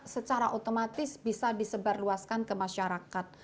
secara otomatis bisa disebarluaskan ke masyarakat